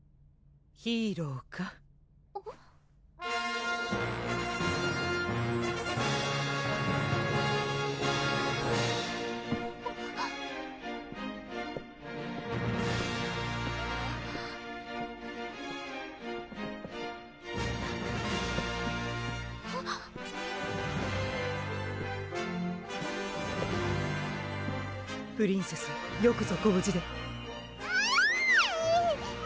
ヒーローかプリンセスよくぞご無事でえるぅ！